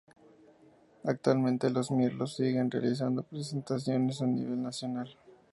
Actualmente, Los Mirlos siguen realizando presentaciones a nivel nacional.